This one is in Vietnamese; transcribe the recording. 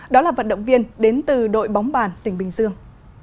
đó là vận động viên đến từ đội bóng bàn tỉnh bình dương